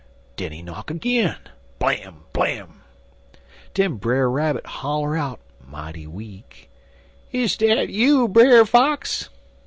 Den he knock agin blam! blam! Den Brer Rabbit holler out mighty weak: 'Is dat you, Brer Fox?